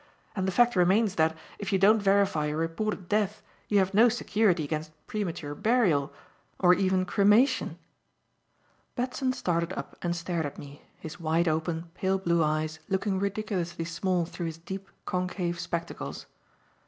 And the fact remains that, if you don't verify a reported death you have no security against premature burial or even cremation." Batson started up and stared at me, his wide open, pale blue eyes looking ridiculously small through his deep, concave spectacles.